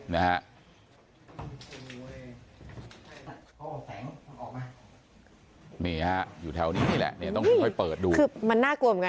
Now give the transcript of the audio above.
นะค่ะอยู่แถวนี้แหละต้องค่อยเพิ่มดูมันน่ากลมน่ะคุณ